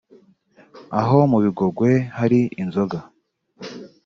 Aho mu Bigogwe hari inzoga